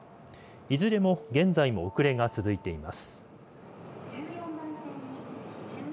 いずれも現在も遅れが続いています。